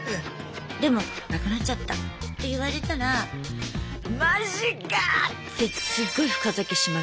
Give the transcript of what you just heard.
でも「なくなっちゃった」って言われたらマジか！ってすっごい深酒します。